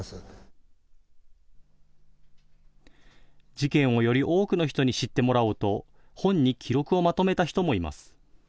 事件をより多くの人に知ってもらおうと本に記録をまとめた人もいます。